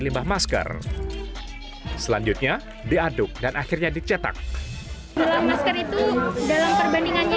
limbah masker selanjutnya diaduk dan akhirnya dicetak dalam masker itu dalam perbandingannya